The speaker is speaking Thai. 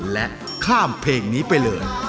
และข้ามเพลงนี้ไปเลย